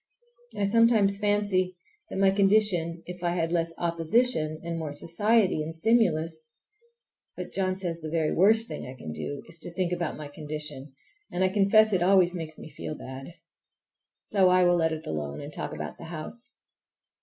I sometimes fancy that in my condition if I had less opposition and more society and stimulus—but John says the very worst thing I can do is to think about my condition, and I confess it always makes me feel bad. So I will let it alone and talk about the house.